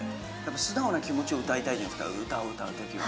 素直な気持ちを歌いたいじゃないですか、歌を歌うときは。